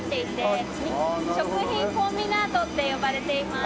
あなるほどね。食品コンビナートって呼ばれています。